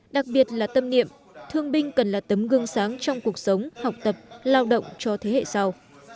đặc biệt là tâm niệm thương binh cần là tấm gương sáng trong cuộc sống học tập lao động cho thế hệ sau